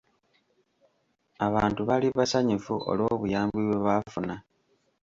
Abantu baali basanyufu olw'obuyambi bwe baafuna.